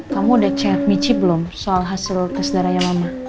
kamu udah chat michi belum soal hasil kesedaran ayah mama